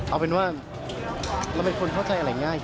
เอาเป็นว่าเราเป็นคนเข้าใจอะไรง่าย